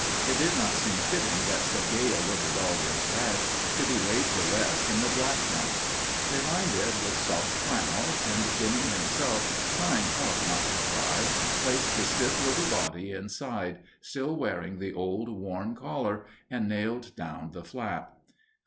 It did not seem fitting that so gay a little dog as Rags should be laid to rest in a black one. They lined it with soft flannel, and Jimmie himself, trying hard not to cry, placed the stiff little body inside, still wearing the old, worn collar, and nailed down the top.